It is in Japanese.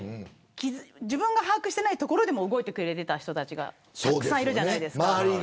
自分が把握していないところでも動いてくれていた人がたくさんいるじゃないですか。